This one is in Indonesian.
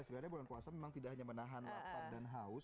sebenarnya bulan puasa memang tidak hanya menahan lapar dan haus